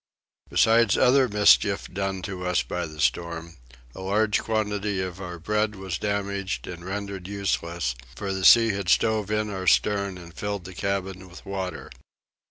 Besides other mischief done to us by the storm, a large quantity of our bread was damaged and rendered useless, for the sea had stove in our stern and filled the cabin with water.